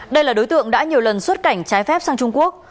đây là đối tượng đã nhiều lần xuất cảnh trái phép sang trung quốc